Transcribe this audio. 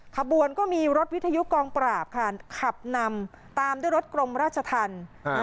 ขบวนก็มีรถวิทยุกองปราบค่ะขับนำตามด้วยรถกรมราชธรรม